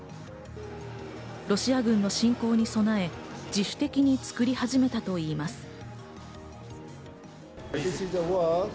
ロシア軍の侵攻に備え、自主的に作り始めたといいます。